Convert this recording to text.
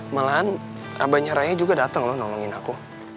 malahan aba nyerayah juga dateng loh nolongin aku